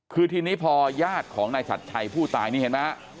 คือทีนี้พอญาติของนายชัดชัยผู้ตายนี่เห็นไหมฮะ